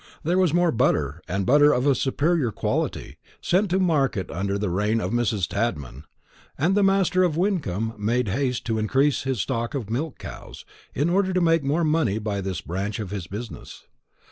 There was more butter, and butter of a superior quality, sent to market than under the reign of Mrs. Tadman; and the master of Wyncomb made haste to increase his stock of milch cows, in order to make more money by this branch of his business.